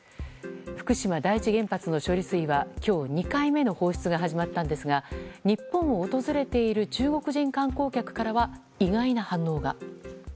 福島第一原発の処理水は今日２回目の放出が始まったんですが日本を訪れている中国人観光客からは意外な反応が。